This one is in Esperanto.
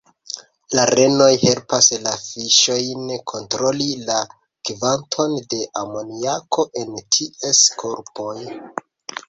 La renoj helpas la fiŝojn kontroli la kvanton de amoniako en ties korpoj.